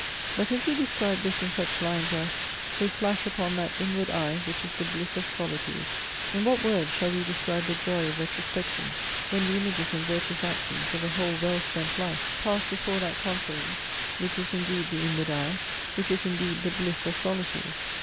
But if we describe this in such lines, as "They flash upon that inward eye, Which is the bliss of solitude!" in what words shall we describe the joy of retrospection, when the images and virtuous actions of a whole well spent life, pass before that conscience which is indeed the inward eye: which is indeed "the bliss of solitude?"